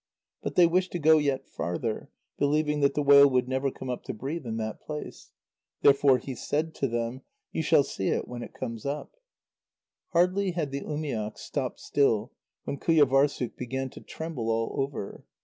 But they wished to go yet farther, believing that the whale would never come up to breathe in that place. Therefore he said to them: "You shall see it when it comes up." Hardly had the umiak stopped still, when Qujâvârssuk began to tremble all over.